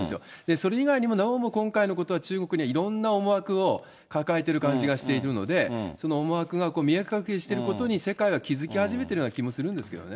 それ以外にも、なおも今回のことは中国にはいろんな思惑を抱えている感じがしているので、その思惑が見え隠れしていることに、世界は気付き始めているような気がしているんですけどね。